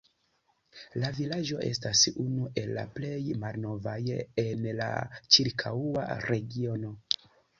La vilaĝo estas unu el la plej malnovaj en la ĉirkaŭa regiono.